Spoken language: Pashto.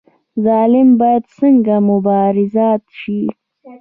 ظالم باید څنګه مجازات شي؟